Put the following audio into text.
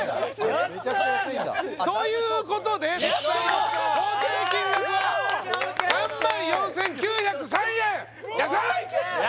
やっす！ということで合計金額は３万４９０３円安い！